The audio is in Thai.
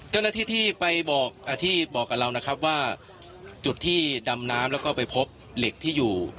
เจ้าหน้าที่ที่ไปบอกที่บอกกับเรานะครับว่าจุดที่ดำน้ำแล้วก็ไปพบเหล็กที่อยู่